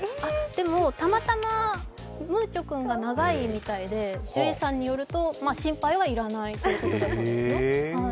たまたまムーチョくんが長いみたいで、獣医さんによると心配は要らないということだとそうですよ。